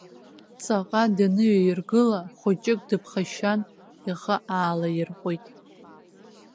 Ҵаҟа даныҩаиргыла, хәыҷык дыԥхашьан, ихы аалаирҟәит.